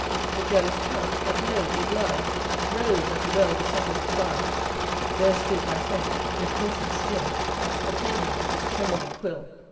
The jealous trout, that low did lie Rose at a well dissembled fly There stood my Friend, with patient skill, Attending of his trembling quill.